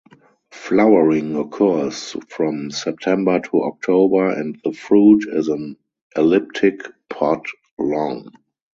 Flowering occurs from September to October and the fruit is an elliptic pod long.